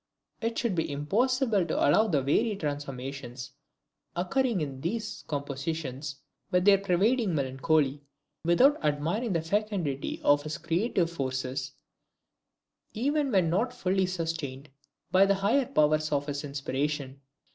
It would be impossible to follow the varied transformations occurring in these compositions, with their pervading melancholy, without admiring the fecundity of his creative force, even when not fully sustained by the higher powers of his inspiration.